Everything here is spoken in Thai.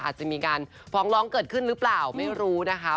อาจจะมีการฟ้องร้องเกิดขึ้นหรือเปล่าไม่รู้นะคะ